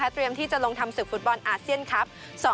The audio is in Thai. เตรียมที่จะลงทำศึกฟุตบอลอาเซียนครับ